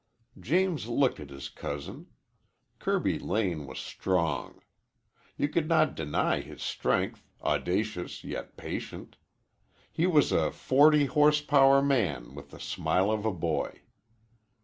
James looked at his cousin. Kirby Lane was strong. You could not deny his strength, audacious yet patient. He was a forty horsepower man with the smile of a boy.